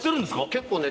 結構ね。